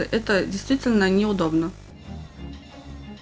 ini benar benar tidak nyaman